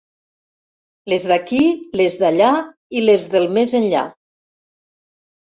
Les d'aquí, les d'allà i les del més enllà.